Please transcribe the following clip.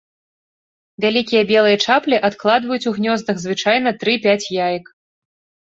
Вялікія белыя чаплі адкладваюць у гнёздах звычайна тры-пяць яек.